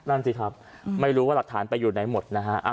นั่นสิครับไม่รู้ว่าหลักฐานไปอยู่ไหนหมดนะฮะ